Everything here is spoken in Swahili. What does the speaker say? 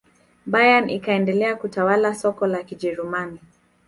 bayern ikaendelea kutawala soka la kijerumani